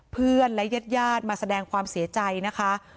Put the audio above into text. เพื่อนและเย็ดมาแสดงความเสียใจนะคะ